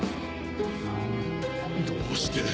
どうして。